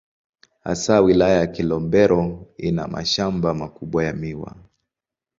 Hasa Wilaya ya Kilombero ina mashamba makubwa ya miwa.